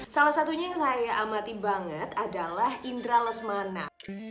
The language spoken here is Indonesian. salah satunya yang saya amati banget adalah indra lesmana